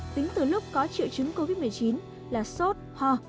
tính từ lúc có triệu chứng covid một mươi chín là sốt ho